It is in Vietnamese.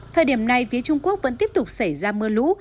thời điểm này phía trung quốc vẫn tiếp tục xảy ra mưa lũ